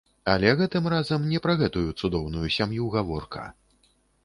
Але гэтым разам не пра гэтую цудоўную сям'ю гаворка.